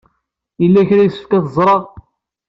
Yella kra i yessefk ad t-ẓreɣ?